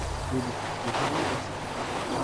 Il est le fils de Jean-Louis Gasset.